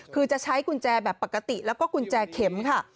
คือจะใช้กุญแจแบบปกติแล้วก็กุญแจเข็มค่ะ